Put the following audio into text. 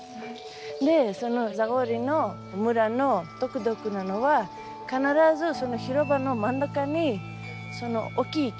でそのザゴリの村の独特なのは必ず広場の真ん中に大きい木がありますね。